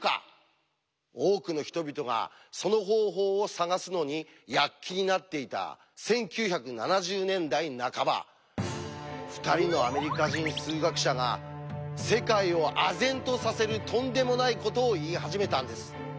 多くの人々がその方法を探すのに躍起になっていた１９７０年代半ば２人のアメリカ人数学者が世界をあぜんとさせるとんでもないことを言い始めたんです。